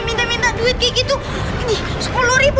minta minta duit kayak gitu